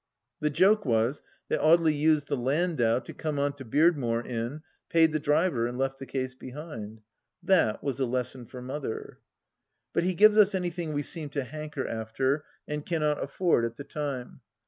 The joke was, that Audely used the landau to come on to Beardmore in, paid the driver, and left the case behind I That was a lesson for Mother. But he gives us anything we seem to hanker after and cannot afford at the time.